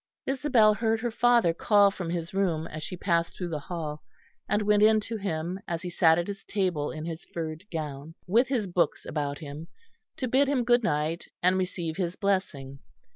Isabel heard her father call from his room as she passed through the hall; and went in to him as he sat at his table in his furred gown, with his books about him, to bid him good night and receive his blessing.